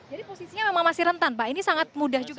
jadi posisinya memang masih rentan pak ini sangat mudah juga